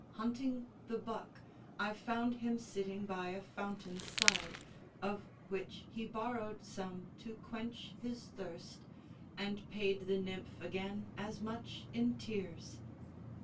Hunting the buck, I found him sitting by a fountain's side, Of which he borrowed some to quench his thirst, And paid the nymph again as much in tears.